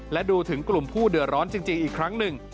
และดูถึงกลุ่มผู้เดือดร้อนจริงอีกครั้งหนึ่ง